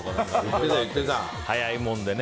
早いものでね。